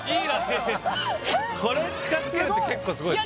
えっこれ近づけるって結構すごいですね